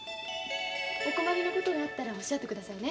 お困りのことがあったらおっしゃって下さいね。